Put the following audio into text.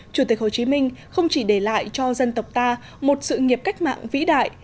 chủ tịch hồ chí minh không chỉ để lại cho dân tộc ta một sự nghiệp cách mạng vĩ đại